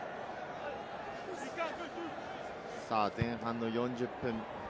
前半の４０分。